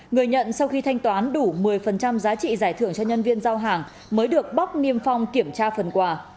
người nhận sau khi thanh toán đủ một mươi giá trị giải thưởng cho nhân viên giao hàng mới được bóc niêm phong kiểm tra phần quà